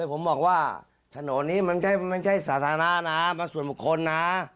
ผมบอกว่าถนนนี้มันไม่ใช่สาธารณะนะมันส่วนบุคคลนะ